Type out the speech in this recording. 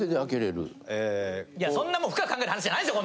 いやそんなもん深く考える話じゃないんですよ！